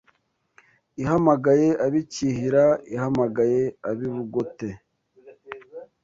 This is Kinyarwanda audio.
Ihamagaye ab’i Cyihira Ihamagaye ab’i Rugote